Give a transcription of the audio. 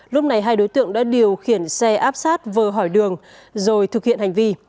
lúc này hai đối tượng đã điều khiển xe áp sát vờ hỏi đường rồi thực hiện hành vi